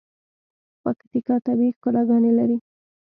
پکیتکا طبیعی ښکلاګاني لري.